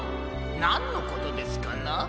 なんのことですかな？